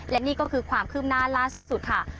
และนี่ก็คือความคืบหน้าล่าสุดค่ะ